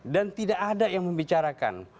dan tidak ada yang membicarakan